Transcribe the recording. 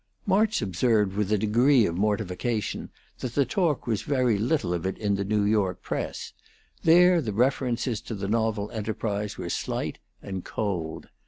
March observed with a degree of mortification that the talk was very little of it in the New York press; there the references to the novel enterprise were slight and cold.